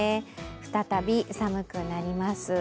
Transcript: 再び寒くなります。